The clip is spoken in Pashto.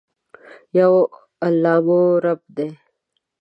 یو الله مو رب دي.